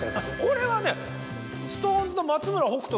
これはねＳｉｘＴＯＮＥＳの松村北斗